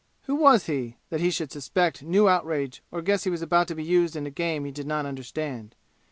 Who was he, that he should suspect new outrage or guess he was about to be used in a game he did not understand?